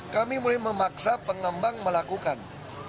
kami mulai memaksa pengembang melakukan